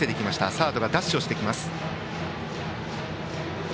サード、ダッシュをしてきました。